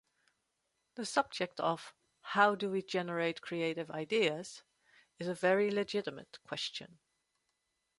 The subject of, "How do we generate creative ideas?" is a very legitimate question.